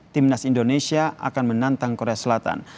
tim nas indonesia akan menantang korea selatan